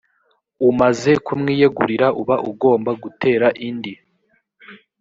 umaze kumwiyegurira uba ugomba gutera indi